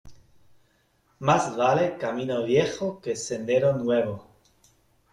Más vale camino viejo que sendero nuevo.